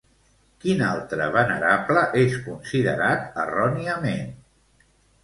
Quin altre venerable és considerat erròniament?